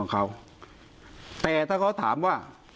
คุณประสิทธิ์ทราบรึเปล่าคะว่า